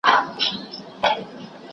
تقوا غوره کړه چې لوی عالم شې.